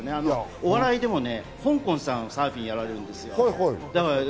お笑いでも、ほんこんさんがサーフィンやられるんですよ。